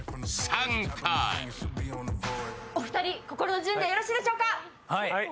お二人、心の準備はよろしいでしょうか。